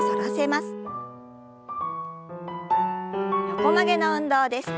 横曲げの運動です。